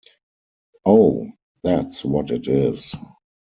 Oh, that's what it is.